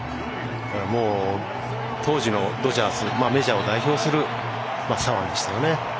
もう当時のドジャースメジャーを代表する左腕でした。